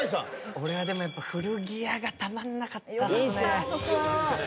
俺は古着屋がたまんなかったっすね。